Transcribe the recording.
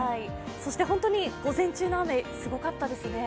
そして本当に午前中の雨、すごかったですね。